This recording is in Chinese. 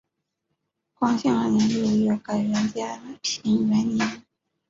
光兴二年六月改元嘉平元年。